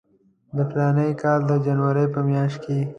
د فلاني کال د جنوري په میاشت کې.